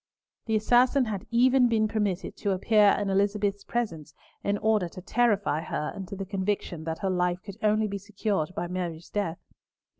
The assassin had even been permitted to appear in Elizabeth's presence in order to terrify her into the conviction that her life could only be secured by Mary's death.